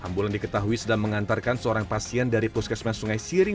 ambulans diketahui sedang mengantarkan seorang pasien dari puskesmas sungai siring